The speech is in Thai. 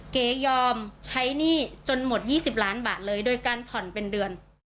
เก๋ยอมใช้หนี้จนหมด๒๐ล้านบาทเลยโดยการผ่อนเป็นเดือน